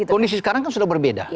kondisi sekarang kan sudah berbeda